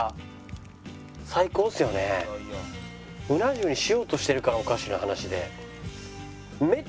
うな重にしようとしてるからおかしな話で。